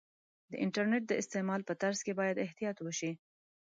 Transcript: د انټرنیټ د استعمال په ترڅ کې باید احتیاط وشي.